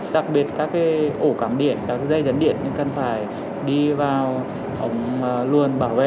đặc biệt các ổ cảm điện các dây dấn điện cần phải đi vào ổng luôn bảo vệ